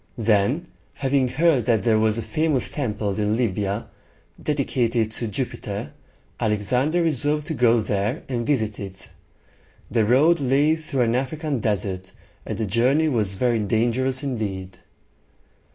Then, having heard that there was a famous temple in Lib´y a, dedicated to Jupiter, Alexander resolved to go there and visit it. The road lay through an African desert, and the journey was very dangerous indeed.